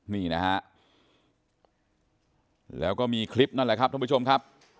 นี่นะฮะแล้วก็มีคลิปนั่นแหละครับท่านผู้ชมครับ